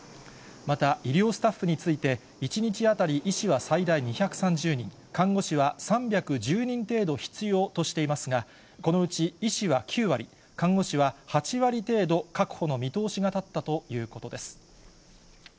また医療スタッフについて、１日当たり、医師は最大２３０人、看護師は３１０人程度必要としていますが、このうち医師は９割、看護師は８割程度確保の見通しが立ったということです。